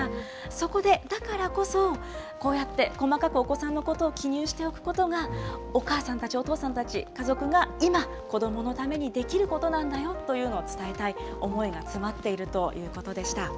そこで、だからこそ、こうやって細かくお子さんのことを記入しておくことが、お母さんたち、お父さんたち、家族が今、子どものためにできることなんだよというのを伝えたい思いが詰まっているということでした。